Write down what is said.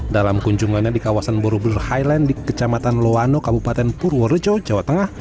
dalam kunjungannya di kawasan borobul highland di kecamatan loano kabupaten purworejo jawa tengah